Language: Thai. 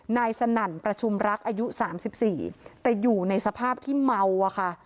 สนั่นประชุมรักอายุ๓๔แต่อยู่ในสภาพที่เมาอะค่ะ